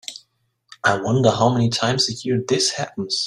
I wonder how many times a year this happens.